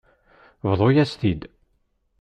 Bḍu-yas-t-id.